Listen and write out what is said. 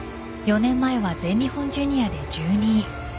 ４年前は全日本ジュニアで１２位。